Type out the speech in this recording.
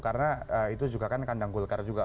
karena itu juga kan kandang golkar juga